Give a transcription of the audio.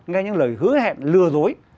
nghe những lời hứa hẹn lừa dối